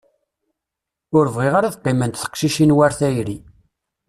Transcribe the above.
Ur bɣiɣ ara ad qqiment teqcicin war tayri.